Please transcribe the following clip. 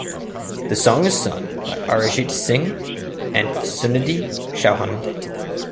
The song is sung by Arijit Singh and Sunidhi Chauhan.